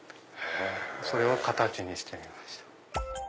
それを形にしてみました。